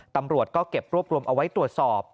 ตำรวจก็เก็บรวบรวมเอาไว้ตรวจสอบ